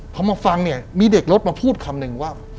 พอมาฟังมีเด็กรถมาพูดคำนึงว่า